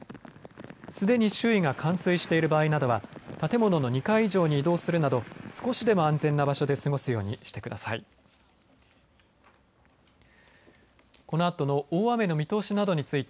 すでに周囲が冠水している場合などは建物の２階以上に移動するなど少しでも安全な場所で過ごすようにしてください。